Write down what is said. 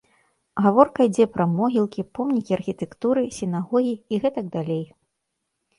Гаворка ідзе пра могілкі, помнікі архітэктуры, сінагогі і гэтак далей.